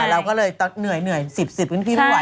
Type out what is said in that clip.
เราก็เลยเหนื่อย๑๐๑๐วินที่รู้ไว้